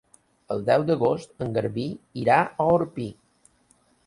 El deu d'agost en Garbí irà a Orpí.